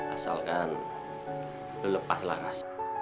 asalkan lo lepas laras